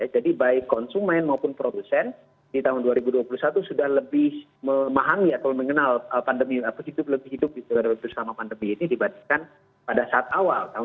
jadi baik konsumen maupun produsen di tahun dua ribu dua puluh satu sudah lebih memahami atau mengenal pandemi positif lebih hidup di seluruh selama pandemi ini dibandingkan pada saat awal tahun dua ribu dua puluh